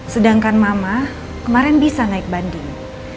sedangkan mama kemarin bisa naik banding